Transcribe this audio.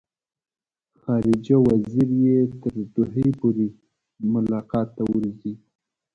خارجه وزیر یې تر دوحې پورې ملاقات ته ورځي.